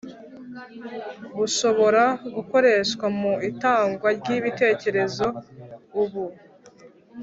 bushobora gukoreshwa mu itangwa ry’ibitekerezo. Ubu